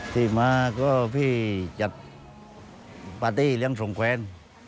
ที่มาก็พี่จัดปาร์ตี้เลี้ยงส่งแขวน